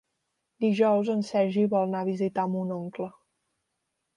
Dijous en Sergi vol anar a visitar mon oncle.